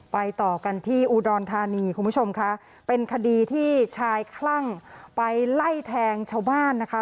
ต่อกันที่อุดรธานีคุณผู้ชมค่ะเป็นคดีที่ชายคลั่งไปไล่แทงชาวบ้านนะคะ